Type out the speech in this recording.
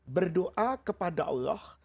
berdoa kepada allah